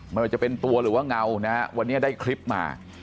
ไม่ว่าจะเป็นตัวหรือว่าเงานะวันนี้ได้คลิปมา